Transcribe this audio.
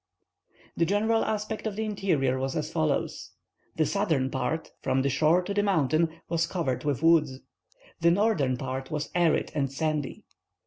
The general aspect of the interior was as follows:—The southern part, from the shore to the mountain, was covered with woods; the northern part was arid and sandy.